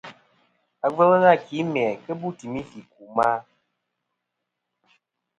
Agvɨl nâ ki mæ kɨ bu timi fɨ̀ ku ma.